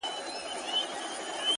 • زما د فكر د ائينې شاعره ؛